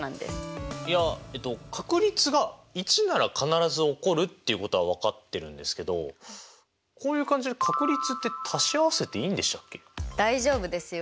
いやえっと確率が１なら必ず起こるっていうことは分かってるんですけどこういう感じで大丈夫ですよ。